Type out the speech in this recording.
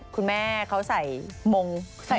คุณแม่เขาใส่มง